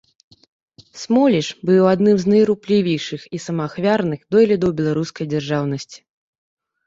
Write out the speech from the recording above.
Смоліч быў адным з найруплівейшых і самаахвярных дойлідаў беларускай дзяржаўнасьці.